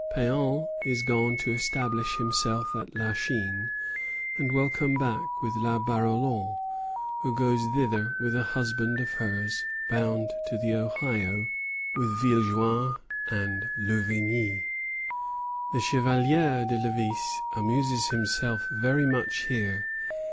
Péan is gone to establish himself at La Chine, and will come back with La Barolon, who goes thither with a husband of hers, bound to the Ohio with Villejoin and Louvigny. The Chevalier de Lévis amuses himself very much here.